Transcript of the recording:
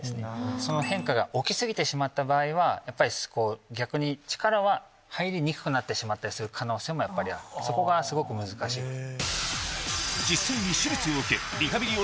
その変化が起き過ぎてしまった場合は逆に力は入りにくくなってしまったりする可能性もやっぱりあるそこがすごく難しいところ。